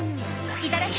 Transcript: いただき！